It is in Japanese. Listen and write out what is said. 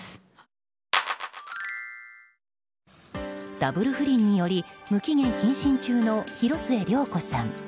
ダブル不倫により無期限謹慎中の広末涼子さん。